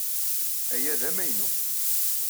Aya d amaynu.